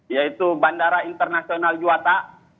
yaitu bandara internasional juwata